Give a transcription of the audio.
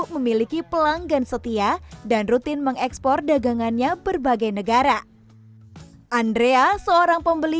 memiliki pelanggan setia dan rutin mengekspor dagangannya berbagai negara andrea seorang pembeli